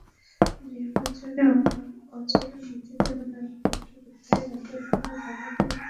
নির্বাচনী আচরণবিধিতে মনোনয়নপত্র প্রত্যাহারের আগে কোনো ধরনের প্রচারণা চালাতে নিষেধ করা হয়েছে।